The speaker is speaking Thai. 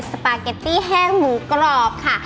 สปาเกตตี้แห้งหมูกรอบค่ะ